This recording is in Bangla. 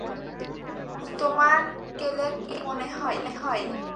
তোমার কেগেলকে কী মনে হয়?